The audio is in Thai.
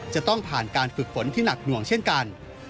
จะต้องผ่านการฝึกฝนที่หนักหน่วงเช่นกัน